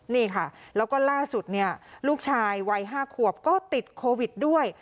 นี่ค่ะแล้วก็ล่าสุดเนี่ยลูกชายวัย๕ขวบก็ติดโควิดด้วย